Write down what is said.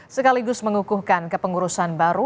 sekaligus mengukuhkan kepengurusan baru